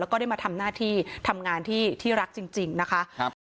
แล้วก็ได้มาทำหน้าที่ทำงานที่ที่รักจริงนะคะครับ